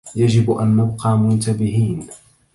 يجب أن نبقى منتبهين.